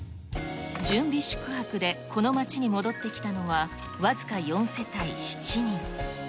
準備宿泊でこの町に戻って来たのは、僅か４世帯７人。